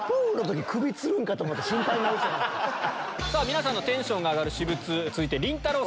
皆さんのテンションが上がる私物続いてりんたろー。